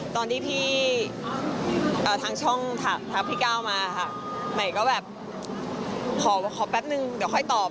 ตอนที่พี่ทางช่องทางพี่ก้าวมาค่ะใหม่ก็แบบขอแป๊บนึงเดี๋ยวค่อยตอบ